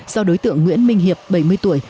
do đối tượng nguyễn minh hiệp bảy mươi tuổi